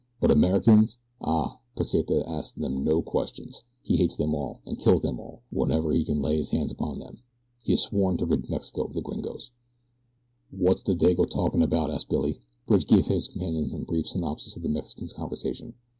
But Americans! Ah, Pesita asks them no questions. He hates them all, and kills them all, whenever he can lay his hands upon them. He has sworn to rid Mexico of the gringos." "Wot's the Dago talkin' about?" asked Billy. Bridge gave his companion a brief synopsis of the Mexican's conversation.